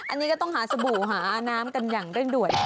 อันนี้ก็ต้องหาสบู่หาน้ำกันอย่างเร่งด่วน